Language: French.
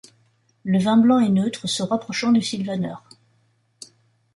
Le vin blanc est neutre se rapprochant du sylvaner.